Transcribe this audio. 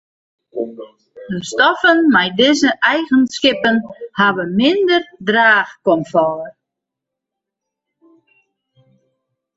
De stoffen mei dizze eigenskippen hawwe minder draachkomfort.